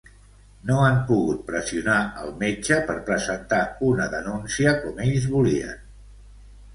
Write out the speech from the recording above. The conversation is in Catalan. No han pogut pressionar el metge per presentar una denúncia com ells volien.